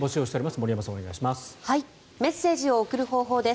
森山さん、お願いします。